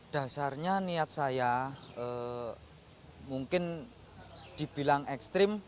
dasarnya niat saya mungkin dibilang ekstrim